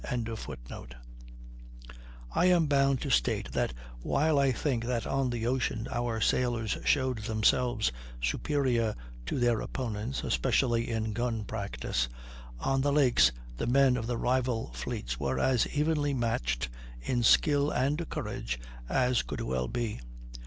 ] I am bound to state that while I think that on the ocean our sailors showed themselves superior to their opponents, especially in gun practice, on the lakes the men of the rival fleets were as evenly matched, in skill and courage, as could well be.